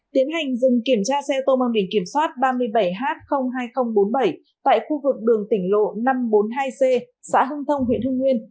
tiến hành dừng kiểm tra xe ô tô mang biển kiểm soát ba mươi bảy h hai nghìn bốn mươi bảy tại khu vực đường tỉnh lộ năm trăm bốn mươi hai c xã hưng thông huyện hưng nguyên